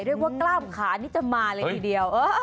เรียกว่ากล้ามขานี่จะมาเลยทีเดียว